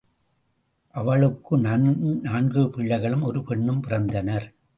அவளுக்கு நான்கு பிள்ளைகளும், ஒரு பெண்ணும் பிறந்தனர்.